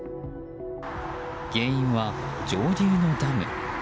原因は上流のダム。